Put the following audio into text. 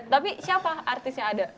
tapi siapa artis yang ada